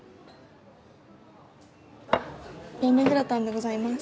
・ペンネグラタンでございます。